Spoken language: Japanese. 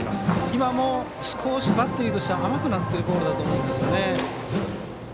今も少しバッテリーとしては甘くなってるボールだと思うんですよね。